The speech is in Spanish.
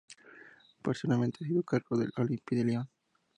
Posteriormente se hizo cargo del Olympique de Lyon.